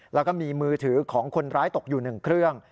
แล้วก็มีมือถือของคนร้ายตกอยู่๑เครื่อง